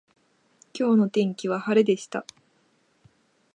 今日の天気は晴れでした。